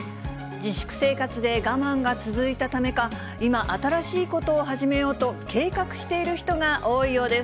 自粛生活で我慢が続いたためか、今、新しいことを始めようと、計画している人が多いようです。